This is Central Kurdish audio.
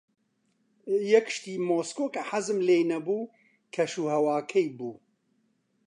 یەک شتی مۆسکۆ کە حەزم لێی نەبوو، کەشوهەواکەی بوو.